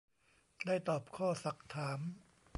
ได้ตอบข้อสักถาม